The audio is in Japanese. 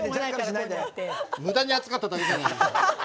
むだに熱かっただけじゃない。